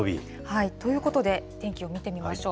ということで、天気を見てみましょう。